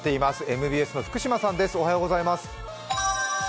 ＭＢＳの福島さんです。